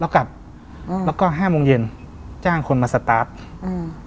แล้วกลับอืมแล้วก็ห้าโมงเย็นจ้างคนมาสตาร์ฟอืม